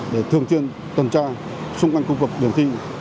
để thường xuyên tuần tra xung quanh khu vực điểm thi